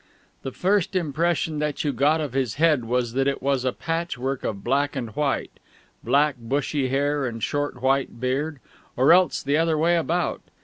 The first impression that you got of his head was that it was a patchwork of black and white black bushy hair and short white beard, or else the other way about.